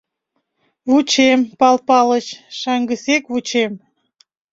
— Вучем, Пал Палыч, шаҥгысек вучем!